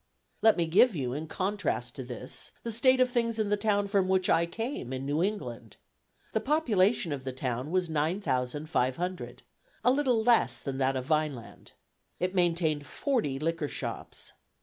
Let me give you, in contrast to this, the state of things in the town from which I came, in New England. The population of the town was 9,500 a little less than that of Vineland. It maintained forty liquor shops.